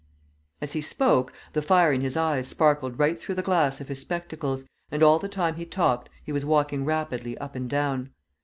As he spoke, the fire in his eyes sparkled right through the glass of his spectacles, and all the time he talked, he was walking rapidly up and down.